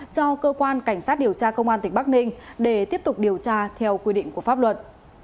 cho cơ quan cảnh sát điều tra công an tỉnh bắc ninh để tiếp tục điều tra theo quy định của pháp luật